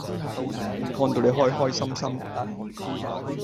看到你開開心心